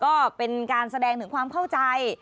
ก็เป็นการแสดงถึงความเข้าใจ